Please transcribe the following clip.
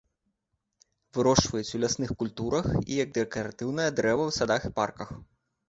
Вырошчваюць у лясных культурах і як дэкаратыўнае дрэва ў садах і парках.